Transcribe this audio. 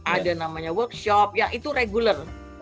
ada namanya workshop ya itu regular